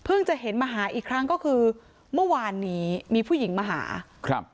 เพิ่งจะเห็นมาหาอีกครั้งก็คือมันวานนี้มีผู้หญิงมาหา